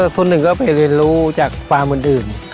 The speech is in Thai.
ส่วนหนึ่งก็ไปเรียนรู้จากฟาร์มอื่น